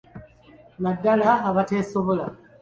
Naddala abateesobola.